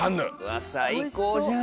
うわ最高じゃん。